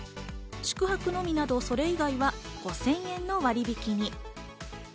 宿泊のみなど、それ以外は５０００円の割引に。